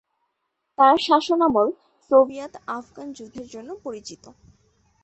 তার শাসনামল সোভিয়েত-আফগান যুদ্ধের জন্য পরিচিত।